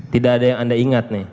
tidak ada yang anda ingat nih